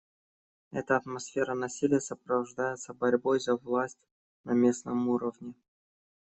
Эта атмосфера насилия сопровождается борьбой за власть на местном уровне.